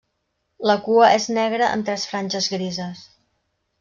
La cua és negra amb tres franges grises.